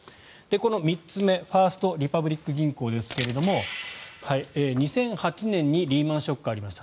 この３つ目ファースト・リパブリック銀行は２００８年にリーマン・ショックがありました。